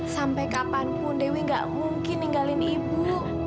sampai kapanpun dewi gak mungkin ninggalin ibu